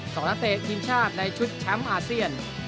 นักเตะทีมชาติในชุดแชมป์อาเซียน